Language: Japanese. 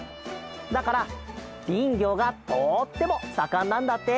だからりんぎょうがとってもさかんなんだって！